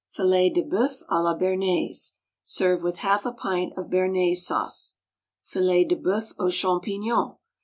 Filets de Bœuf à la Béarnaise. Serve with half a pint of Béarnaise sauce. _Filets de Bœuf aux Champignons.